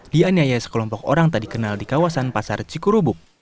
dianiaya sekelompok orang tak dikenal di kawasan pasar cikurubuk